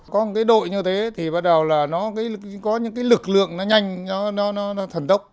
có một cái đội như thế thì bắt đầu là nó có những cái lực lượng nó nhanh nó thần tốc